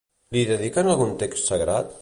Li dediquen algun text sagrat?